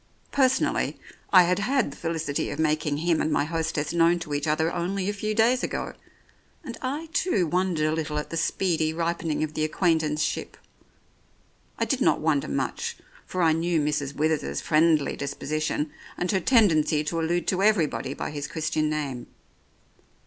Personally, I had had the felicity of making him and my hostess known to each other only a few days ago, and I too wondered a little at the speedy ripening of the acquaintanceship. I did not wonder much, for I knew Mrs. Withers's friendly disposition, and her tendency to allude to everybody by his Christian name.